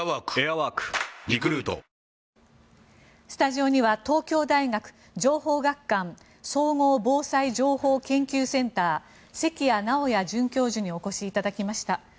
スタジオには東京大学情報学環総合防災情報研究センター関谷直也准教授にお越しいただきました。